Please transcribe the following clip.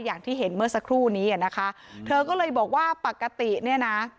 อย่างที่เห็นเมื่อสักครู่นี้อ่ะนะคะเธอก็เลยบอกว่าปกติเนี่ยนะ